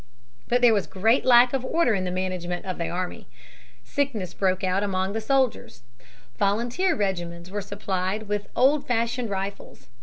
But there was great lack of order in the management of the army. Sickness broke out among the soldiers. Volunteer regiments were supplied with old fashioned rifles.